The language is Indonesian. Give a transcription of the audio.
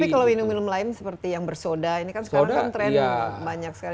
tapi kalau minum minum lain seperti yang bersoda ini kan sekarang kan tren banyak sekali